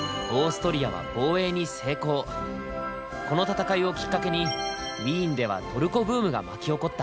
この戦いをきっかけにウィーンではトルコブームが巻き起こった。